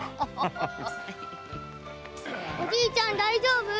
おじいちゃん大丈夫？